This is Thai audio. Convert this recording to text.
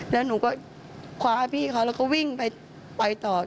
แล้วหนูก็คว้าพี่เขาแล้วก็วิ่งไปต่อ